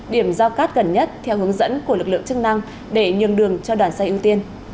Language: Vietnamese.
điểm giao cát gần nhất theo hướng dẫn của lực lượng chức năng để nhường đường cho đoàn xe ưu tiên